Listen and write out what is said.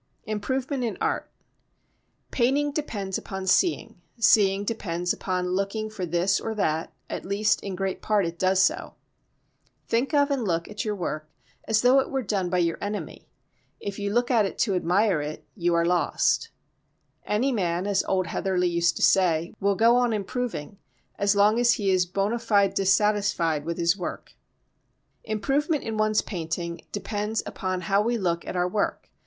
Improvement in Art Painting depends upon seeing; seeing depends upon looking for this or that, at least in great part it does so. Think of and look at your work as though it were done by your enemy. If you look at it to admire it you are lost. Any man, as old Heatherley used to say, will go on improving as long as he is bona fide dissatisfied with his work. Improvement in one's painting depends upon how we look at our work.